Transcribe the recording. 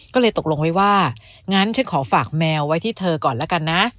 ก็เลยตกลงไว้ว่างั้นฉันขอฝากแมวไว้ที่เธอก่อนแล้วกันนะ